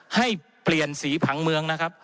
ให้เปลี่ยนสีผังเมืองนะครับ